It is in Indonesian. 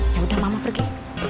yaudah mama pergi